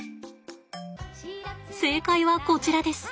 正解はこちらです。